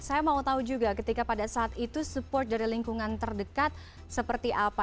saya mau tahu juga ketika pada saat itu support dari lingkungan terdekat seperti apa